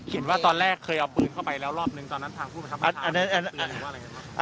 เหมือนว่าตอนแรกเคยเอาปืนเข้าไปแล้วรอบนึงตอนนั้นทางผู้ประชาประชาปืนหรือว่าอะไรครับ